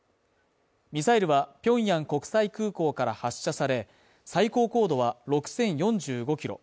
ミサイルはピョンヤン国際空港から発射され、最高高度は６０４５ｋｍ。